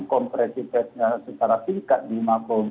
kompresifnya secara singkat di mako lima puluh dua